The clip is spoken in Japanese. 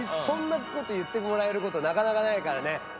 そんなこと言ってもらえることなかなかないからね。